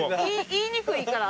言いにくいから？